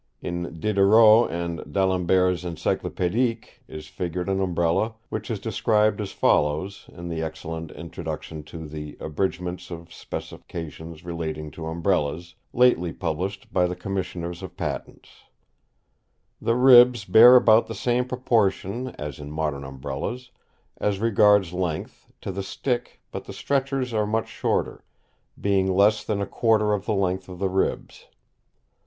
In Diderot and D'Alembert's Encyclopédic, is figured an Umbrella, which is described as follows, in the excellent introduction to the "Abridgements of Specifications relating to Umbrellas," lately published by the Commissioners of Patents: "The ribs bear about the same proportion (as in modern umbrellas) as regards length, to the stick, but the stretchers are much shorter, being less than a quarter of the length of the ribs.